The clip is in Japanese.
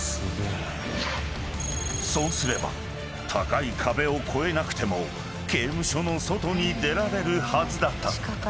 ［そうすれば高い壁を越えなくても刑務所の外に出られるはずだった］